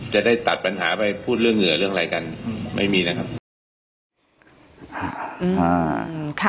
จะได้ตัดปัญหาไปพูดเรื่องเหงื่อเรื่องอะไรกันไม่มีนะครับ